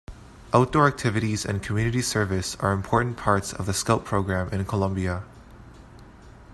Outdoor activities and community service are important parts of the Scout program in Colombia.